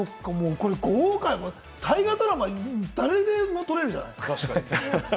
これ、大河ドラマ、誰でも取れるじゃない。